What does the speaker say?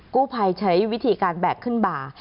กู้ภัยใช้วิธีการแบกขึ้นบ่า